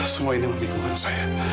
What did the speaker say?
semua ini memikulkan saya